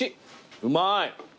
うまい。